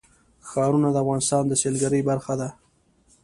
ښارونه د افغانستان د سیلګرۍ برخه ده.